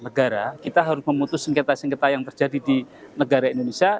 negara kita harus memutus sengketa sengketa yang terjadi di negara indonesia